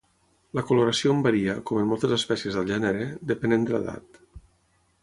La coloració en varia, com en moltes espècies del gènere, depenent de l'edat.